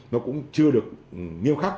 nó cũng chưa được nghiêm khắc